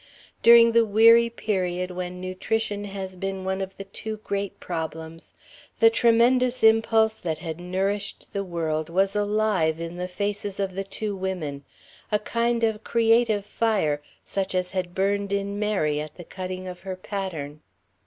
During the weary period when nutrition has been one of the two great problems the tremendous impulse that has nourished the world was alive in the faces of the two women, a kind of creative fire, such as had burned in Mary at the cutting of her pattern.